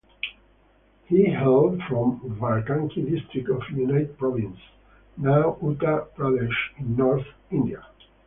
He hailed from Barabanki District of United Provinces, now Uttar Pradesh, in north India.